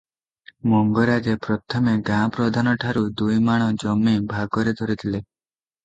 ମଙ୍ଗରାଜେ ପ୍ରଥମେ ଗାଁ ପ୍ରଧାନ ଠାରୁ ଦୁଇମାଣ ଜମି ଭାଗରେ ଧରିଥିଲେ ।